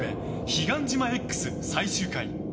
「彼岸島Ｘ」最終回。